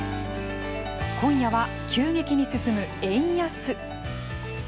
今夜は急激に進む円安。